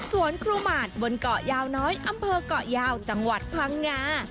ครูหมาดบนเกาะยาวน้อยอำเภอกเกาะยาวจังหวัดพังงา